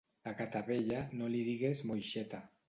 A gata vella, no li digues moixeta.